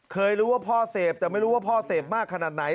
เคยรู้ว่าพ่อเสพแต่ไม่รู้ว่าพ่อเสพมากขนาดไหน